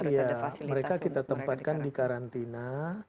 iya mereka kita tempatkan di karantina